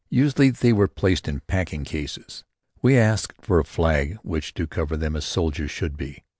Usually they were placed in packing cases. We asked for a flag with which to cover them as soldiers should be.